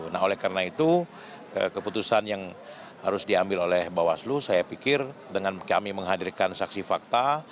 nah oleh karena itu keputusan yang harus diambil oleh bawaslu saya pikir dengan kami menghadirkan saksi fakta